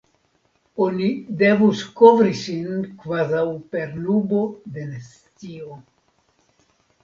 Oni devus kovri sin kvazaŭ per nubo de nescio.